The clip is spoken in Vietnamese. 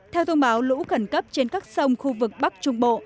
theo thông báo lũ khẩn cấp trên các sông khu vực bắc trung bộ